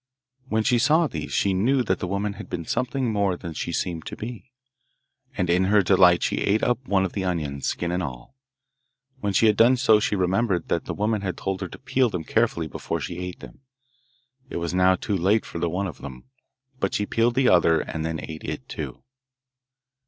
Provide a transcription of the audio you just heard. When she saw these she knew that the woman had been something more than she seemed to be, and in her delight she ate up one of the onions, skin and all. When she had done so she remembered that the woman had told her to peel them carefully before she ate them. It was now too late for the one of them, but she peeled the other and then ate it too.